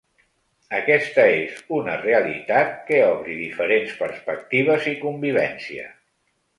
Aquesta és una realitat que obri diferents perspectives i convivència.